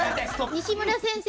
西村先生